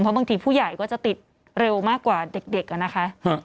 เพราะบางทีผู้ใหญ่ก็จะติดเร็วมากกว่าเด็กอะนะคะ